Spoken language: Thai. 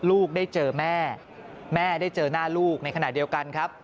ลูกได้เจอแม่แม่ได้เจอหน้าลูกในขณะเดียวกันครับ